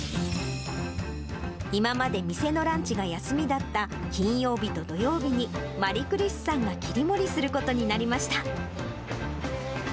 今まで店のランチが休みだった、金曜日と土曜日に、マリクリスさんが切り盛りすることになりました。